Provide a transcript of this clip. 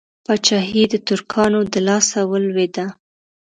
پاچهي د ترکانو د لاسه ولوېده.